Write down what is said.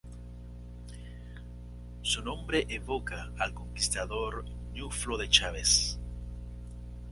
Su nombre evoca al conquistador Ñuflo de Chavez.